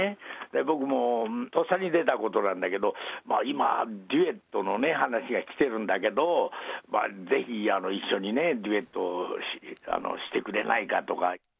僕もとっさに出たことなんだけど、今、デュエットの話が来てるんだけど、ぜひ一緒にデュエットしてくれないかとか。